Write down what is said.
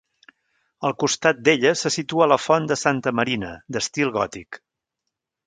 Al costat d'ella se situa la font de Santa Marina, d'estil gòtic.